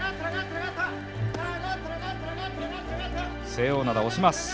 清王洋、押します。